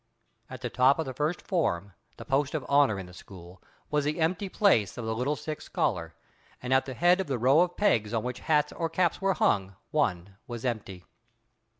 At the top of the first form—the post of honour in the school—was the empty place of the little sick scholar, and at the head of the row of pegs on which hats or caps were hung, one was empty.